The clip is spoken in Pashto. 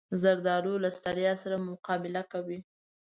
زردالو له ستړیا سره مقابله کوي.